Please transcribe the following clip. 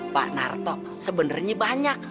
pak narto sebenernya banyak